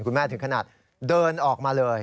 คุณแม่ถึงขนาดเดินออกมาเลย